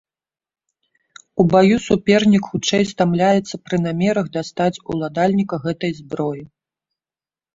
У баю супернік хутчэй стамляецца пры намерах дастаць уладальніка гэтай зброі.